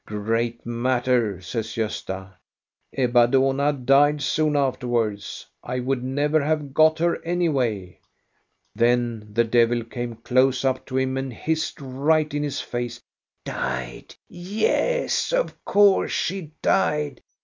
"" Great matter !" says Gosta. " Ebba Dohna died soon afterwards. I would never have got her any way. " Then the devil came close up to him and hissed right in his face: "Died! yes, of course she died.